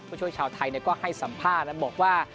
ผู้ช่วยชาวไทยก็ให้สัมภาษณ์บอกว่า